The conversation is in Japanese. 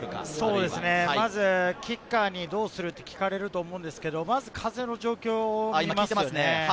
まずキッカーにどうする？って聞かれると思うんですけれど、まず風の状況を見ますね。